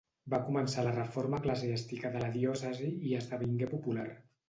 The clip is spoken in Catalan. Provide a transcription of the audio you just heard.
Va començar la reforma eclesiàstica de la diòcesi i esdevingué popular.